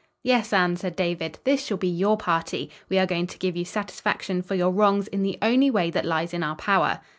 "Yes, Anne," said David, "this shall be your party. We are going to give you satisfaction for your wrongs in the only way that lies in our power."